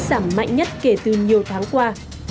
giảm mạnh nhất kể từ nhiều tháng qua